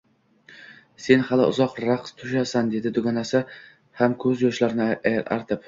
Sen hali uzoq raqs tushasan, dedi dugonasi ham ko`z yoshlarini artib